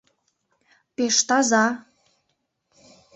Пеш таза!